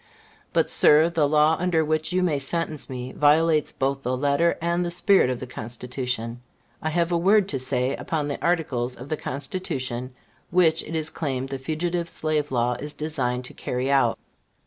But, sir, the law under which you may sentence me violates both the letter and the spirit of the Constitution. I have a word to say upon the articles of the Constitution which it is claimed the Fugitive Slave Law is designed to carry out.